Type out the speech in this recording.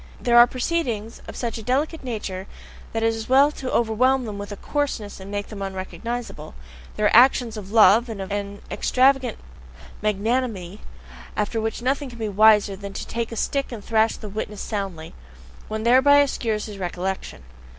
There are proceedings of such a delicate nature that it is well to overwhelm them with coarseness and make them unrecognizable; there are actions of love and of an extravagant magnanimity after which nothing can be wiser than to take a stick and thrash the witness soundly: one thereby obscures his recollection.